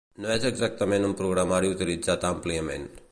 No és exactament un programari utilitzat àmpliament.